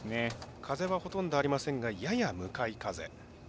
風はほとんどありませんがやや向かい風。